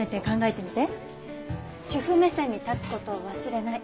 主婦目線に立つ事を忘れない。